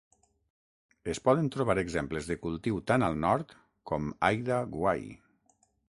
Es poden trobar exemples de cultiu tan al nord com Haida Gwaii.